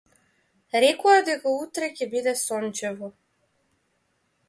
Рекоа дека утре ќе биде сончево.